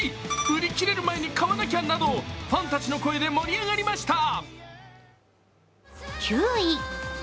売り切れる前に買わなきゃなどファンたちの声で盛り上がりました。